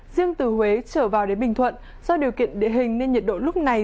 riêng từ huế trở vào đến bình thuận do điều kiện địa hình nên nhiệt độ lúc này